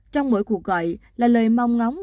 trong mỗi cuộc gọi là lời mong ngóng